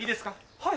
はい。